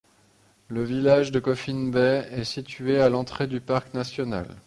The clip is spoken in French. Le village de Coffin Bay est situé à l'entrée du parc national.